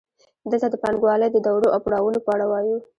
دلته د پانګوالۍ د دورو او پړاوونو په اړه وایو